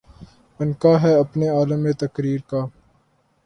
عنقا ہے اپنے عالَمِ تقریر کا